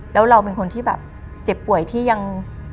แล้วเราเป็นคนที่แบบเจ็บป่วยที่ยัง